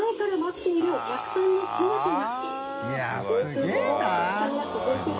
すごいな。